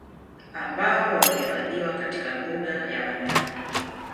Ambao wamehifadhiwa katika mbuga ya wanyama